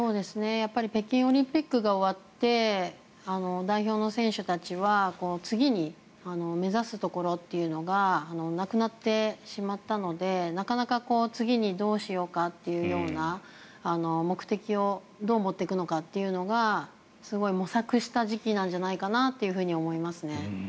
北京オリンピックが終わって代表の選手たちは次に目指すところというのがなくなってしまったのでなかなか次にどうしようかというような目的をどう持っていくのかというのがすごい模索した時期なんじゃないかなと思いますね。